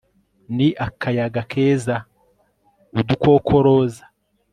ni akayaga keza, udukoko, roza